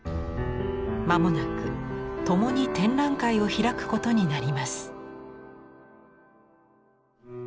間もなく共に展覧会を開くことになります。